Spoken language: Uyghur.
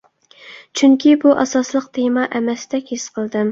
چۈنكى بۇ ئاساسلىق تېما ئەمەستەك ھېس قىلدىم.